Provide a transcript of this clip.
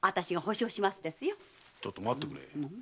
ちょっと待ってくれ。